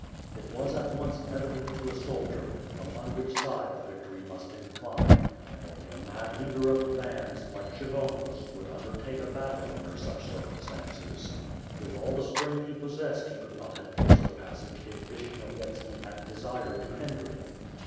It was at once evident to a soldier, upon which side the victory must incline, and only a mad leader of the bands, like Kshyvonos would undertake a battle under such circum stances. With. all the strength he possessed Ke could not have forced a passage if Vishnyovyetski had desired to hinder him.